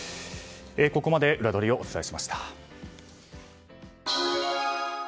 ここまでウラどりをお伝えしました。